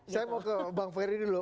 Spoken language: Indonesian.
saya mau ke bang ferry dulu